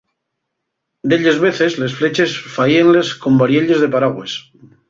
Delles veces les fleches faíenles con varielles de paragües.